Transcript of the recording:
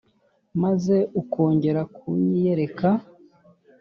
maze ukongera kunyiyereka,